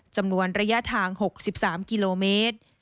จำนวนระยะทาง๖๓กิโลเมตร